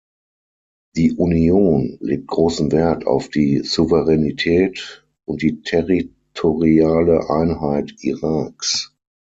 Die Union legt großen Wert auf die Souveränität und die territoriale Einheit Iraks.